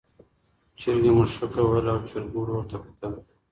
چرګې مښوکه وهله او چرګوړو ورته کتل.